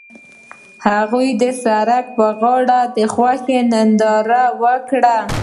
هغوی د سړک پر غاړه د خوښ ګلونه ننداره وکړه.